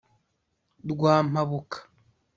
Rwa Mpabuka